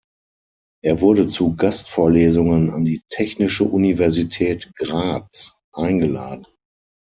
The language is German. Er wurde zu Gastvorlesungen an die Technische Universität Graz eingeladen.